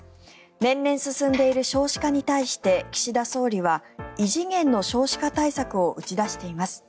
年々進んでいる少子化に対して岸田総理は異次元の少子化対策を打ち出しています。